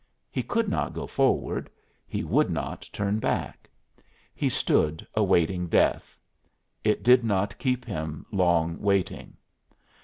He could not go forward, he would not turn back; he stood awaiting death. It did not keep him long waiting.